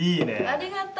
ありがとう！